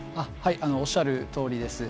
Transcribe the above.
おっしゃるとおりです。